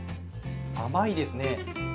甘いですね。